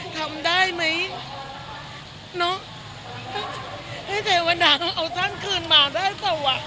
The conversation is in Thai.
ทำได้ไหมให้เทวดาเอาท่านคืนมาได้ต่อ